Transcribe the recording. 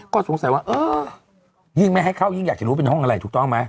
ก็สงสัยว่าเออยิ่งไม่ให้เข้ายิ่งอยากจะรู้เป็นห้องอะไรถูกต้องไหม